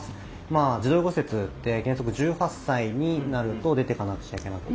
児童養護施設って原則１８歳になると出ていかなくちゃいけなく。